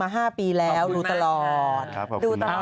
๕ปีแล้วดูตลอด